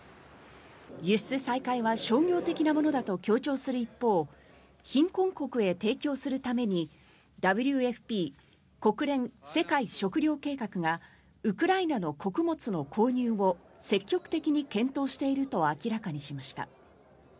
輸出再開は商業的なものだと強調する一方貧困国へ提供するためにＷＦＰ・国連世界食糧計画がウクライナの穀物の購入を積極的に検討していると明らかにしました。